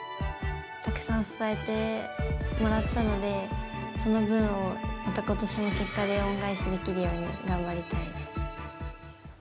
たくさん支えてもらったので、その分をまたことしも結果で恩返しできるように、頑張りたい。